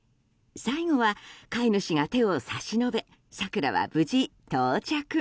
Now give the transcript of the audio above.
最後は飼い主が手を差し伸べサクラは無事、到着。